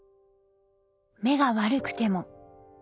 目が悪くても。